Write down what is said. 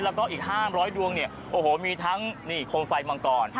แล้วก็อีก๕๐๐ดวงเนี่ยโอ้โหมีทั้งนี่โคมไฟมังกร